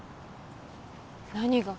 何が？